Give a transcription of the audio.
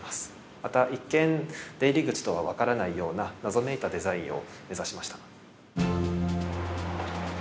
また、一見、出入り口とは分からないような謎めいたデザインを目指しました。